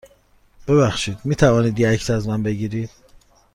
ببخشید، می توانید یه عکس از من بگیرید؟